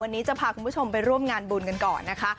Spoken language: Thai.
วันนี้จะพาคุณผู้ชมไปร่วมงานบุญกันก่อนนะคะ